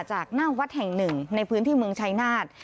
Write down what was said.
จากหน้าวัดแห่งหนึ่งในพื้นที่เมืองชายนาฏ